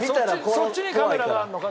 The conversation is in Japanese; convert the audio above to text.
そっちにカメラがあるのか？